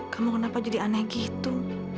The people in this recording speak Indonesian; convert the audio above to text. kamu kenapa jadi aneh gitu